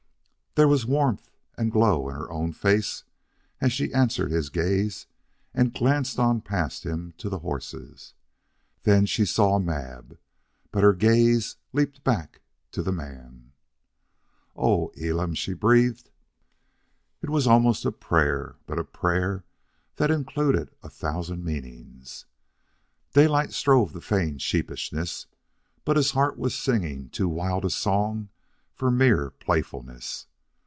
There was warmth and glow in her own face as she answered his gaze and glanced on past him to the horses. Then she saw Mab. But her gaze leaped back to the man. "Oh, Elam!" she breathed. It was almost a prayer, but a prayer that included a thousand meanings Daylight strove to feign sheepishness, but his heart was singing too wild a song for mere playfulness.